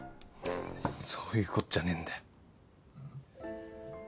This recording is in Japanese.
そういうことじゃねえんだよ。